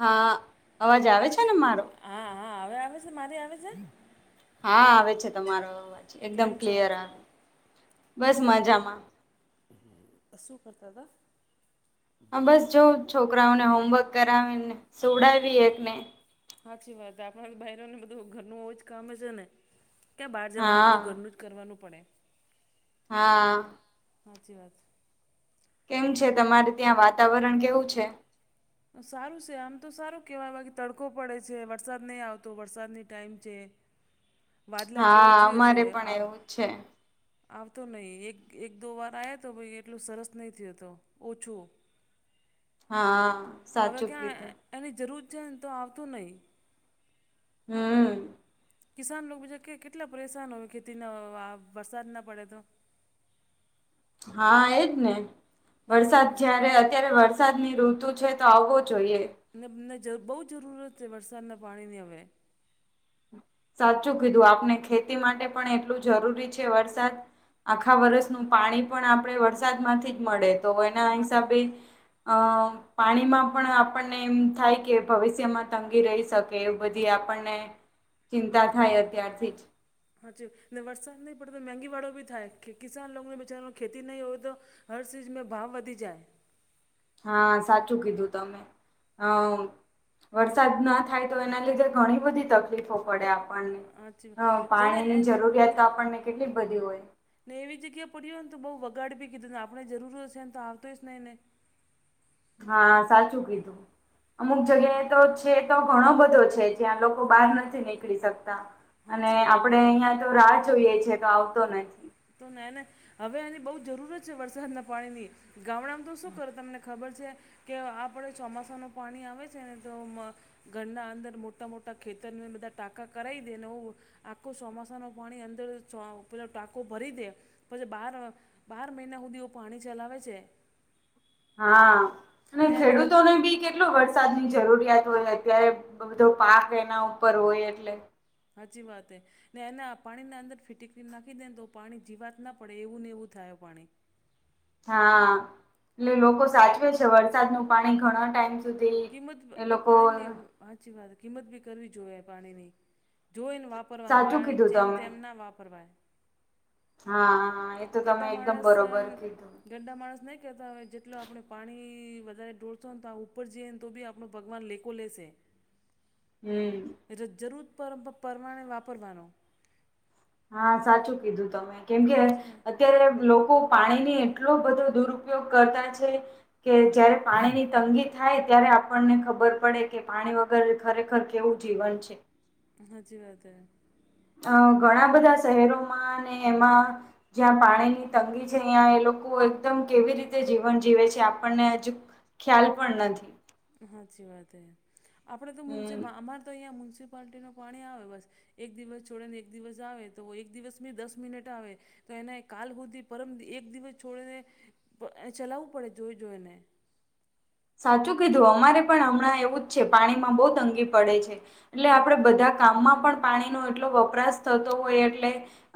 હા અવાજ આવે છે ને મારો હા હા હવે આવે છે મારી આવે છે. હા આવે છે તમારો અવાજ એકદમ કેમ છો? ક્લિયર આવે બસ મજામાં. ક શું કરતા હતા? હ બસ જો છોકરાઓને હોમવર્ક કરાવીને સુવડાવી એકને સાચી વાત આપણા બાઈરોને બધું ઘરનું હોવું જ કામ છે ને ક્યાં બહાર જવાનું હા બધું ઘરનું જ. કરવાનું પડે હા સાચી વાત કેમ છે તમારે ત્યાં વાતાવરણ કેવું છે? સારું છે આમ તો સારું કેહેવાય બા કે તડકો પડે છે વરસાદ નહીં આવતો વરસાદની ટાઈમ છે. વાદલા જેવો હા થયો છે અમારે પણ આ એવું છે. આવતો નહી એક એક દો વાર આવ તો ભાઈ એટલું સરસ નહી થય તો ઓછો હા. હવે સાચું ક્યાં કીધું એની જરૂર છે ને તો આવતું નહી. હમ. કિસાન લોકો બીજા કે કેટલા પરેશાન હોય ખેતી ન વરસાદ ના પડે તો હા એજ ને ને આપણે વરસાદ મ્યુનિસિપલ જયારે અત્યારે વરસાદ વરસાદ ની ઋતુ છે તો આવવો જોઈએ. અનેને બહુ જરૂરત છે વરસાદના પાણીની હવે સાચું કીધું આપણે ખેતી માટે પણ એટલું જરૂરી છે વરસાદ, આખા તો વર્ષનું પાણી પણ આપડે વરસાદમાંથી જ મળે તો એના હા હિસાબે પાણીમાં પણ આપણને એમ થાય કે ભવિષ્યમાં તંગી રહી શકે એ બધી આપણને ચિંતા થાય અત્યારથી જ હાચી વરસાદ નહીં પડે તો મંગીવાળો બી થાય કે કિસાન લોકોને બચારા ખેતી નહીં હોય તો હર ચીઝ મે ભાવ વધી જાય. હા સાચું કીધું તમે. અહ વરસાદના થાય તો એના લીધે ઘણી બધી તકલીફો પડે આપણે હાચી વાત પણ અહ જેને એ પાણીની ને જરૂરિયાત તો આપણને કેટલી બધી હોય ને એવી જગ્યા પડી હોયને તો બહુ બગાડ બી કીધુંને આપણે જરૂર હશે ને તો આવતોય જ હી ને હા, સાચું કીધું, અમુક જગ્યાએ તો જ છે તો ઘણો બધો છે જ્યાં લોકો બહાર નથી નીકળી શકતા અને હાચી વાત આપડે ને અહિયાં તો રાહ જોઈએ છે તો આવતો નથી તો નઈ ને હવે એની બહુ જરૂરત છે વરસાદના પાણીની, ગામડામાં તો શું કરો તમને ખબર છે, કે આપડે ચોમાસાનું પાણી આવે છે ને તો મ ઘરના અંદર મોટા મોટા ખેતરને બધા ટાંકા કરાઈ દે નેઊં આખું ચોમાસા નું પાણી અંદર [unintelligible] લોકો ભરી દે પછી બાર બાર મહિના હુંધી એવું પાણી ચલાવે છે. હા અને ને એને અંદર ખેડૂતોને બી કેટ કેટલો વરસાદની જરૂરિયાત હોય અત્યારે બધો પાક એના ઉપર હોય એટલે હાચી વાત એ ને એના પાણીના અંદર ફિટીક્રી નાખી દે ને તો પાણી જીવાત ના પડે એવું ને એવું થાય પાણી હા, એટલે લોકો સાચવે છે વરસાદનું પાણી ઘણા ટાઈમ સુધી એ લોકો હાચી વાત કિંમત બી કરવી જોએ પાણીની જોઈને વાપ વાપરવાનું સાચું આ કીધું જેમ તમે તેમ ના વાપરવાય હા, એતો તમે એકદમ બરોબર કીધું. ઘરડા માણસ નહી કહેતા હવે જેટલો આપડે પાણી વધારે ડોળશો ને તો આ ઉપર જઈએ ને તો બી આપ આપું ભગવાન લેકો લેશે હમ્મ. એટલે જરૂર પર પરમાણે વાપરવાનું હા, સાચું કીધું તમે કેમકે સાચી વાત અત્યારે લોકો પાણીની એટલો બધો દુરુપયોગ કરતા છે. કે જયારે પાણીની તંગી થાય ત્યારે આપણને ખબર પડે કે પાણી વગ અગર ખરેખર કેવું જીવન છે. હાચી વાત હૈ. અહ ઘણા બધા શહેરોમાં અને એમાં જ્યાં પાણીની તંગી છે અહીં એ લોકો એકદમ કેવી રીતે જીવન જીવે છે આપણને હજુ ખ્યાલ પણ નથી. હાચી વાત હે. આપડે તો હમ મ્યુસિપ અમારે તો અહીંયા મ્યુનિસિપાલટીનું પાણી આવે બસ એક દિવસ છોડે ને એક દિવસ આવે તો એક દિવસભી દસ મિનિટ આવે તો એને કાલ હુદી પરમ એક દિવસ છોડીને ચલાવવું પડે જોય જોઈ ને સાચું કીધું અમારે પણ હમણાં એવું જ છે પાણીમાં બો તંગી પડે છે એટલે આમ આપડે બધા ગામમાં પણ પાણીનો એટલો વપરાશ થતો હોય એટલે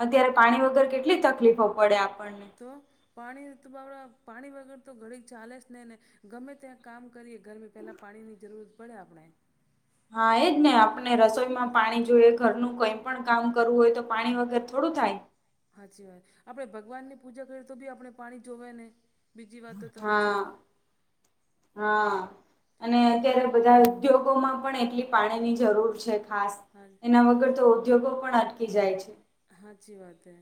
અત્યારે પાણી વગર કેટલી તકલીફો પડે આપણ તો પાણી તો [unintelligible] પાણી વગર તો ઘડી ચાલે જ નહીં ને ગમે ત્યાં કામ કરીએ, ઘરમે પેલા પાણીની જરૂરત પડે આપડે હા, એજને આપડે રસોઈમાં પાણી જોઈએ ઘરનું કઈ પણ કામ કરવું હોય તો પાણી વગર થોડું થાય. હાચી વાત, આપડે ભગવાનની પૂજા કરીએ તો બી આપડે પાણી જોવે ને બીજી વાત તો તમે હા છોડો હા અને તો મારા અત્યારે બધા ઉદ્યોગોમાં પણ એટલી પાણીની જરૂર છે, ખાસ હા. એના વગર તો ઉદ્યોગો પણ અટકી જાય છે. હાચી વાત હે,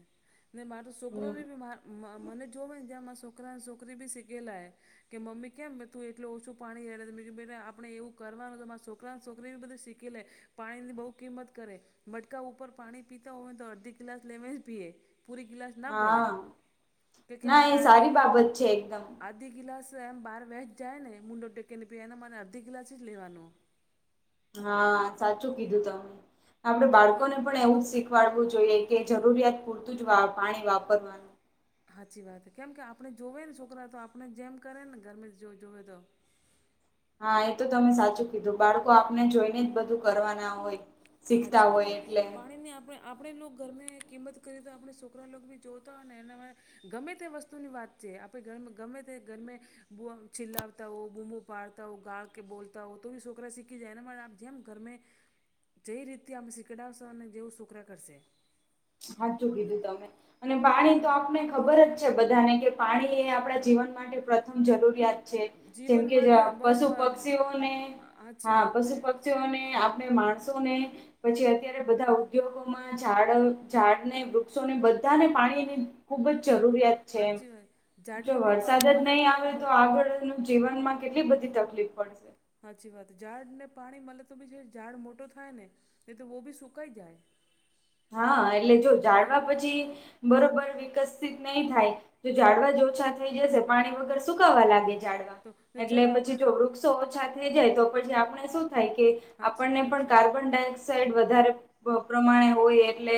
ને મારો હમ છોકરોને બી મા મા મને જોવે ને ત્યાં મારા છોકરાં છોકરી બી સીખેલા હૈ. કે મમ્મી કેમ તું એટલુ ઓછું પાણી રેડે બો આપડે એવું કરવાનું તો મારા છોકરાને છોકરી બધી શીખી લે પાણીની બો કિંમત કરે, મટકા ઉપર પાણી પીતા હોય. તો અર્ધી ગ્લાસ લેવે પીએ, પૂરી ગિલાસ ના પરે હા તે કેમ ના કે એ આધી સારી બાબત છે એકદમ આધી ગ્લાસ એમ બહાર વહેંચ જાય ને મુંડો ટેકીને પીને મારે અધી ગિલાસ જ લેવાનો હા સાચું કીધું તમે આપડે છોકરા બાળકોને પણ એવું જ શીખ વાળવું જોઈએ કે જરૂરિયાત પૂરતું જ વા પાણી વાપરવાનું હાચી વાત કેમ કે આપણે જોવે ને છોકરા તો આપણે જેમ કરે ને ગરમે જો જોવેએ તો હા એ તો તમે સાચું કીધું બાળકો આપને જોઈ ને જ બધું કરવા ના હોય શીખતા હાચી વાતે હોય એટલે. પાણીની આપણે આપણે લો ઘરમે કિંમત કરીએ તો આપણે છોકરા લોકો બી જોતા હોય ને એના ગમે તે વસ્તુ ની વાત છે, આપણે ધર ગમે તે ગરમે બુ આમ ચિલ્લાવતા હો બુંમ પાડતા હો ગાળ કે બોલતા હો તોબી છોકરા સીખી જાય અને મને આપ જે ઘરમે જે રીતથી અમે શીકડાવશો ને જેવું છોકરા કરશે હાચુ કીધું તમે અને પાણી તો આપને ખબર જ બધાને કે પાણી એ આપણા જીવન માટે પ્રથમ જરૂરિયાત છે, જેમ જીવન કે માટે બહુ પશુ પક્ષીઓને સાચી હા વાત પશુ છે પ ક્ષી ઓને આપણે માણસોને પછી અત્યારે બધા ઉદ્યોગોમાં ઝાડ ઝાડને વૃક્ષોને બધાને પાણીની ખુબ જ જરૂરિયાત છે, સાચી વાત જો ઝાડને બી વરસાદ પાણી જ મળે નહીં આવે તો આગળ જીવનમાં કેટલી બધી તકલીફ પડશે હાચી વાત ઝાડ ને પાણી મલે તો બી જે ઝાડ મોટો થાય ને એ તો વો ભી સુકાઈ જાય હા એટલે જો બધા જાડવા પછી બરોબર વિકસિત નહી થાય તો જાડવા જ ઓછા થઈ જશે પાણી વગર સુકાવા લાગે ઝાડવા તો ને એટલે ચલો આપણે પછી તો જો વૃક્ષો ઓછા થઈ જાય તો પછી આપણે શું થાય કે હાચી આપણને પણ હાચી કાર્બન ડાયોક્સાઇડ વધારે પ પ્રમાણે હોય એટલે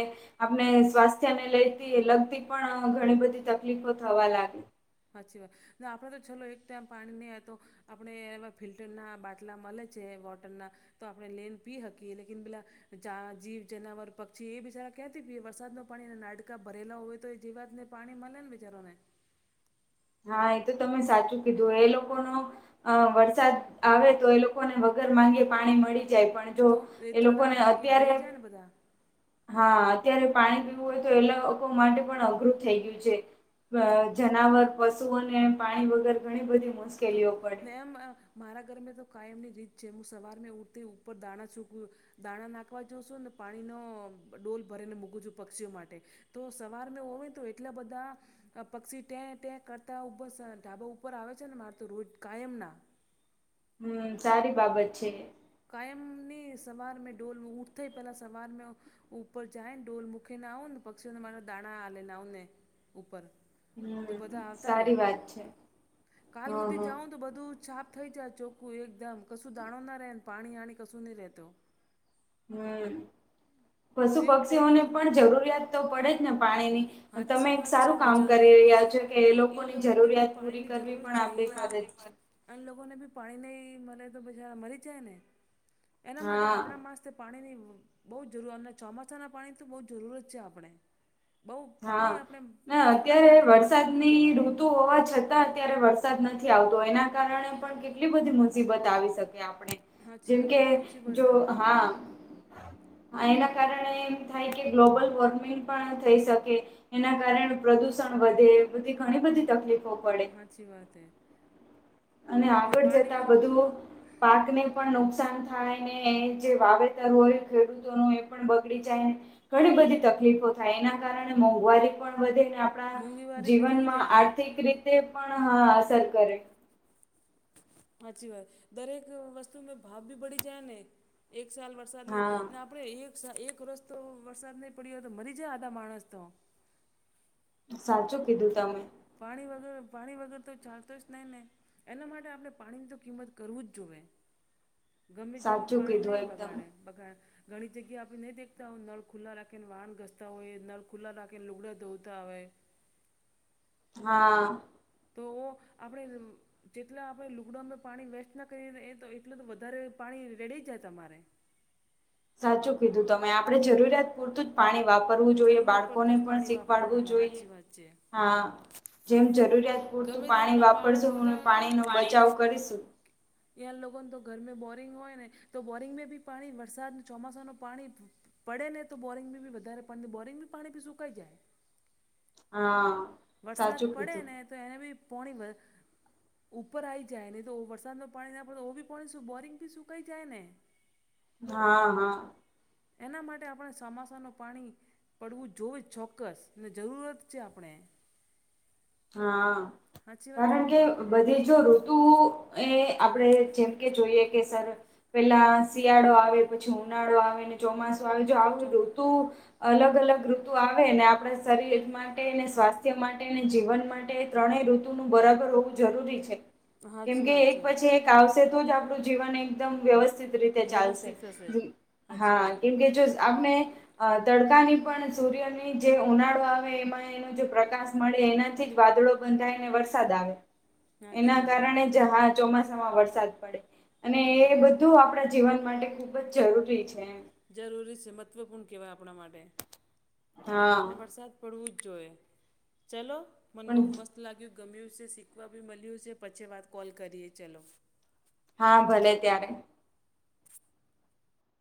આપને સ્વાસ્થ્યને લઈતી લગતી પણ ઘણી બધી તકલીફો થવા લાગે હાચી વાત આપણે તો ચાલો એક ટાઈમ પાણી ની આય તો આપણે ફિલ્ટરના બાટલા મલે છે, વોટરના તો આપણે લેન પી હકીએ લેકીન પેલા જા જીવ જનાવર પક્ષી એ બિચારા કયાતી પીએ વરસાદ ન પાણી અને નાડકા ભરેલા હોય તો એ જે વાતને પાણી મલેન વિચારો ને હા એ તો તમે સાચું કીધું એ લોકોનો અ વરસાદ આવે તો એ લોકોને વગર માંગે પાણી મળી જાય પણ જો તો એ લોકોને તળાવ બાકી અત્યારે ભરી જાય ને બધા હા અત્યારે પાણી પીવું હોય તો એ લોકો માટે પણ અઘરું થઈ ગયું છે. ભ જનાવર પશુ અને પાણી વગર ઘણી બધી મુસ તુ નેમ મારા ઘરમે તો કાયમની રીત છે, હું સવાર મે ઊઠી ઉપર દાણાં ચૂકવું દાણા નાખવા જોશું ન પાણીનો ડોલ ભરીને મૂકું છું પક્ષીઓ માટે તો સવાર મેં હોય તો એટલા બધા પક્ષી ટે ટે કરતા ઉબા સે ઉપર આવે છે, ને માર તો રોજ કાયમના હમ સારી બાબત છે. કાયમની સવારમે ડોલ ઉઠે થેય પહેલાં સવાર મે ઉપર જાય ઢોલ મુકે ના ઉને પક્ષીઓના મા દાણા હાલે ને આઉને ઉપર તો હમ બધા આવતા રે સારી વાત છે કાલ હા હુધી હા. જાઉ તો બધું છાપ થઈ જાય ચોખ્ખું એકદમ કશું દાણો ના રે પાણી આણી કશું ની રેતો હમ તો પશુ એવું કરું પક્ષીઓને જ પણ જરૂરિયાત તો પડે જ ને પાણીની તમે સાચી એક વાત છે સારું ને કામ બિચારાને કરી એ બી રહ્યા છો કે એ લોકોની લોકોને બી જરૂરિયાત પૂરી પાણીની કરવી જરૂર પણ છે આપડી એ ફરજ છે. અને લોકોને બી પાણી નહી મળે તો બા મરી જાય ને, એના માટે હા આપણા માસ પાણીની બહુ જરૂર અને ચોમાસાના પાણીની તો બહુ જરૂરત છે આપણે. બહુ હા, પાણી આપણે ના આપણા અત્યારે માટે મહત્ત્વપૂર્ણ વરસાદની કહેવાય ઋતુ હોવા છતાં. અત્યારે વરસાદ નથી આવતો એના કારણે પણ કેટલી બધી મુસીબત આવી શકે આપણે. સાચી જેન વાત કે, બહુ મુસીબત જો આવે હા. હા એના કારણે એમ થાય કે ગ્લોબલ વોર્મિંગ પણ થઈ શકે એના કારણે પ્રદુષણ વધે એ બધી ઘણી બધી તકલીફો પડે. અચછી વાત હ. અને આગળ જતા બધું પાકને પણ નુકસાન થાય ને એ જે વાવેતર હોય ખેડૂતો ન એ પણ બગડી જાયને. ઘણી બધી સાચી તકલીફો થાય એના કારણે મોંઘવારી પણ વધે ને આપણા મોંઘીવારી બી થઈ જીવનમાં જાય ભાવ આર્થિક રીતે પણ હ અસર કરે. સાચી વાત, દરેક વસ્તુમાં ભાવ બી બળી જાય ને, એક સાલ વરસાદને હા આપ આપડે એક એક રસ તો વરસાદ નહી પડી્યોય તો મરી જાય આધા માણસ તો. સાચું કીધું તમે. પાણી વગેર પાણી વગેર તો ચાલતો જ ન નહી. એના માટે આપણે પાણીની તો કિંમત કરવું જ જોઈએ. ગમે જેમ સાચું પાણી કીધું નહી એકદમ બગાડે બગાડ ઘણી જગ્યાએ આપણે નહીં દેખતા હોય નળ ખુલ્લા રાખીને વાહણ ઘસતા હોય નળ ખુલ્લા રાખીને લુગડા ધોતા હોય. હા. તો આપણે જેટલા આપણે લુકડાઉનમાં પાણી વેસ્ટ ના કરીએ એ તો એટલું તો વધારે પાણી રેડી જાય તમારે. સાચું કીધું તમે આપણે જરૂરિયાત પૂરતું જ પાણી વાપરવું જોઈએ જરૂર બાળકોને પડતું જ પણ પાણી શીખવાડવું વાપરવાનું જોઈએ. સાચી વાત છે હા, જેમ જરૂરિયાત પૂરતું ગમે તેમ પાણી માણસ વાપરશું હું બધા પાણીનો બચાવ કરીશું. ત્યાં લોકોને તો ઘરમે બોરિંગ હોય ને તો બોરિંગમાં બી પાણી વરસાદ ચોમાસાનું પાણી પડે ને તો બોરિંગ બી બી વધારે પા બોરિંગ બી પાણી ભી સુકાઈ જાય. હા. વરસાદ સાચું પડે કીધું ને તો એને બી પોણી વ ઉપર આવી જાય ને તો વરસાદનું પાણી ના પડે તો ઓ બી પાણી બોરિંગ બી સુકાઈ જાય ને. હા, હા. એના માટે આપણે સમાસાનું પાણી પડવું જોએ ચોક્કસ ને જરૂરત છે આપણે. હા, સાચી વાત છે કારણ કે નહીં બધી જો ઋતુ એ આપડે જેમ કે જોઈએ કે સર પેલા શિયાળો આવે પછી ઉનાળો આવે ને ચોમાસું આવે જો આવું ચો ઋ તુ અલગ અલગ ઋતુ આવેને આપડા શરીર માટેને સ્વાસ્થ્ય માટેને જીવન માટે ત્રણે ઋતુ નું બરાબર હોવું જરૂરી છે સાચી કેમકે વાત એક છે પછી એક આવશે તો જ આપડું જીવન એકદમ વ્યવસ્થિત રીતે ચાલશે. વ્યવસ્થિત થશે જ સાચી હા વાત કેમકે જો આપણે અહ તડકાની પણ સૂર્યની જે ઉનાળો આવે એમાં એનો જે પ્રકાશ મળે એના થી વાદળો બંધ થાયને વરસાદ આવે સાચી એના વાત છે કારણે જ હા ચોમાસામાં વરસ સાદ પડે અને એ સાચી વાત બધું આપડા જીવન માટે ખુબ જ જરૂરી છે. જરૂરી છે મહત્ત્વપૂર્ણ કહેવાય આપણા માટે. ને હા વરસાદ પડવું જ જોઈએ. ચલો મન બહુ પણ મસ્ત લાગ્યું ગમ્યું છે શીખવા બી મળ્યું છે પછી વાત કોલ કરીએ ચલો. હા, ભલે ત્યારે.